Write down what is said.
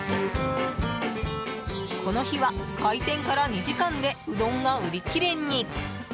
この日は、開店から２時間でうどんが売り切れに。